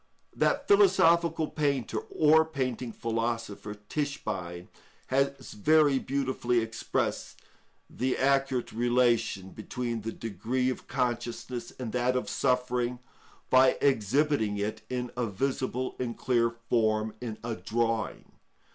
_ That philosophical painter or painting philosopher, Tischbein, has very beautifully expressed the accurate relation between the degree of consciousness and that of suffering by exhibiting it in a visible and clear form in a drawing.